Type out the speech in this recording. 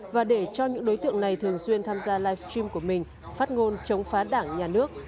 và để cho những đối tượng này thường xuyên tham gia live stream của mình phát ngôn chống phá đảng nhà nước